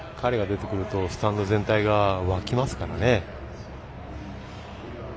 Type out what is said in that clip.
彼が出てくるとスタンド全体が沸きますからね。